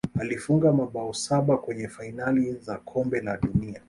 alifunga mabao saba kwenye fainali za kombe la dunia